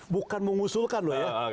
bukan mengusulkan loh ya